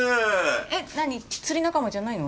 えっなに釣り仲間じゃないの？